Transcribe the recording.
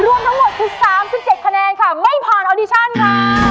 รวมทั้งหมดคือสามสิบเจ็ดคะแนนค่ะไม่ผ่านออดิชันค่ะ